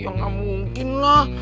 ya gak mungkin lah